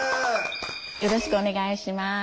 よろしくお願いします。